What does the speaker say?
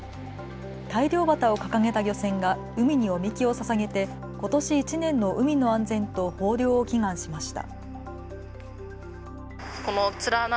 大漁旗を掲げた漁船が海にお神酒をささげて、ことし１年の海の安全と豊漁を祈願しました。